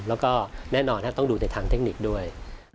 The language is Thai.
แล้วก็แน่นอนต้องดูในทางเทคนิคด้วย